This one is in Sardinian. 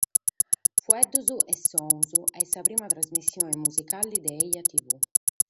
Fueddus e sonus est sa prima trasmissione musicale de Ejatv.